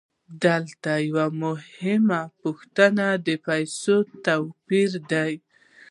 دلته یوه مهمه پوښتنه د پیسو د توپیر ده